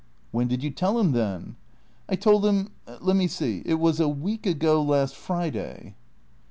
"When did you tell him, then?" "I told him let me see it was a week ago last Friday."